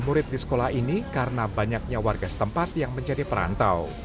murid di sekolah ini karena banyaknya warga setempat yang menjadi perantau